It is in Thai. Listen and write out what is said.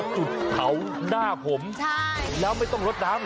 อ๋อจุดเขาหน้าผมแล้วไม่ต้องลดน้ำเหรอ